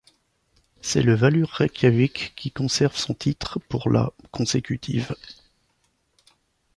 C'est le Valur Reykjavik qui conserve son titre pour la consécutive.